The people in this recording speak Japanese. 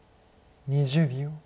２０秒。